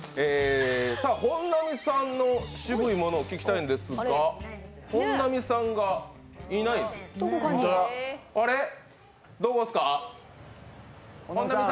本並さんのシブいものを聞きたいんですが、本並さんがいないんです。